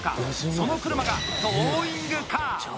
その車が「トーイングカー」。